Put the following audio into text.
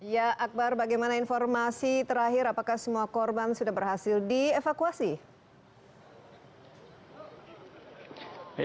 ya akbar bagaimana informasi terakhir apakah semua korban sudah berhasil dievakuasi